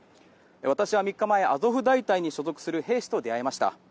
私は３日前アゾフ大隊に所属する兵士と出会いました。